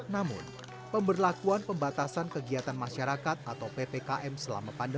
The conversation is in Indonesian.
namun pemberlakuan pembatasan kegiatan masyarakat atau ppkm selama pandemi